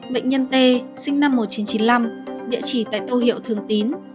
bệnh nhân t sinh năm một nghìn chín trăm chín mươi năm địa chỉ tại tô hiệu thường tín